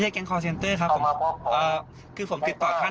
วันนี้เขามาพวกผมเลย๕โมงเช้า